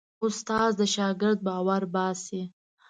استاد د شاګرد باور باسي.